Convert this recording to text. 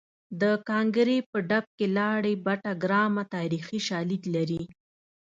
د ګانګړې په ډب کې لاړې بټه ګرامه تاریخي شالید لري